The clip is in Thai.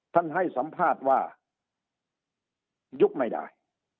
ให้สัมภาษณ์ว่ายุบไม่ได้